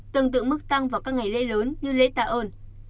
tương tự mức tăng vào các ngày lễ lớn như lễ tạ ơn